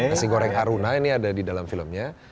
nasi goreng aruna ini ada di dalam filmnya